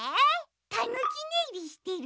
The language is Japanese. たぬきねいりしてる。